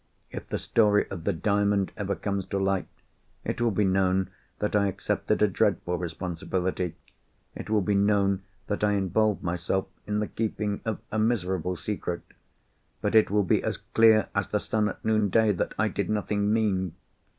If the story of the Diamond ever comes to light, it will be known that I accepted a dreadful responsibility; it will be known that I involved myself in the keeping of a miserable secret—but it will be as clear as the sun at noon day that I did nothing mean!